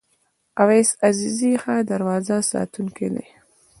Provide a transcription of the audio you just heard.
اویس عزیزی ښه دروازه ساتونکی دی.